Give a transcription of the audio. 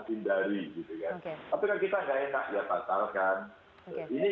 tapi kan kita gak enak ya patahkan